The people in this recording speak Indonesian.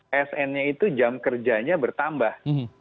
asn nya itu jam kerjanya bertambah